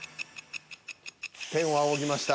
天を仰ぎました。